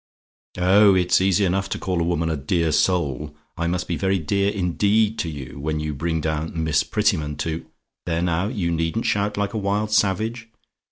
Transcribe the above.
"Oh, it's easy enough to call a woman 'a dear soul.' I must be very dear, indeed, to you, when you bring down Miss Prettyman to there now; you needn't shout like a wild savage.